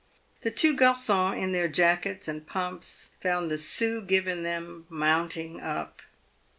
The two garcons in their jackets and pumps found the sous given them mounting up.